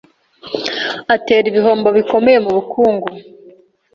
atera ibihombo bikomeye mu bukungu